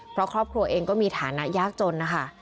เพราะครอบครัวเองก็มีฐานะยากจนนะคะ